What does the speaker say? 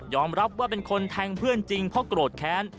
รับว่าเป็นคนแทงเพื่อนจริงเพราะโกรธแค้น